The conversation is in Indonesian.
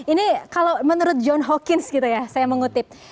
ini kalau menurut john hawkins gitu ya saya mengutip